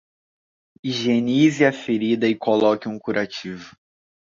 Higienize a ferida e coloque um curativo